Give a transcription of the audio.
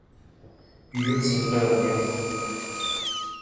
Guyot s’installe à Lyon.